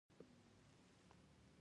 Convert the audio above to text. ځکه چې همدا زما ټوله دارايي او پانګه ده.